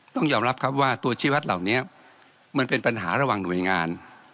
ต้องยอมรับครับว่าตัวชีวัตรเหล่านี้มันเป็นปัญหาระหว่างหน่วยงาน